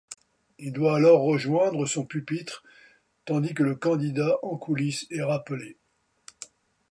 Il doit alors rejoindre son pupitre, tandis que le candidat en coulisses est rappelé.